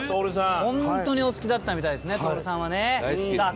ホントにお好きだったみたいですね徹さんはね。さあ